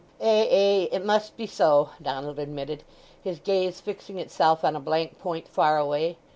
"Ay; ay.... It must be so!" Donald admitted, his gaze fixing itself on a blank point far away.